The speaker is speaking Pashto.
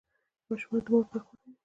ماشومان د مور غږ خوښوي.